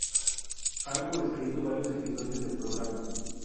Ha coescrito varios episodios del programa.